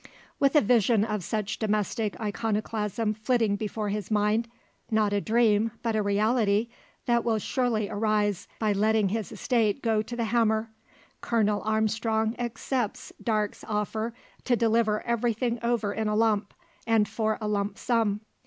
With a vision of such domestic iconoclasm flitting before his mind not a dream, but a reality, that will surely arise by letting his estate go to the hammer Colonel Armstrong accepts Darke's offer to deliver everything over in a lump, and for a lamp sum.